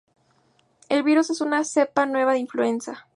El virus es una cepa nueva de influenza.